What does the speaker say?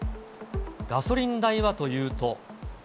ガソリン代はというと。